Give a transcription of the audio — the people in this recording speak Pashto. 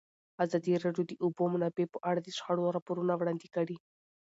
ازادي راډیو د د اوبو منابع په اړه د شخړو راپورونه وړاندې کړي.